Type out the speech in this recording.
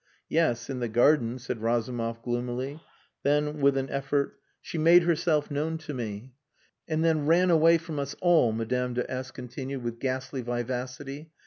"Yes, in the garden," said Razumov gloomily. Then, with an effort, "She made herself known to me." "And then ran away from us all," Madame de S continued, with ghastly vivacity.